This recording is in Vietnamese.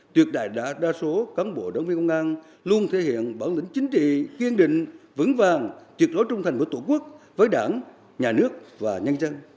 tuyệt đại đa số cán bộ đảng viên công an luôn thể hiện bản lĩnh chính trị kiên định vững vàng truyệt lối trung thành của tổ quốc với đảng nhà nước và nhân dân